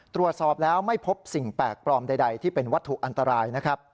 ตรวจสอบแล้วไม่พบสิ่งแปลกปลอมใดที่เป็นวัตถุอันตรายนะครับ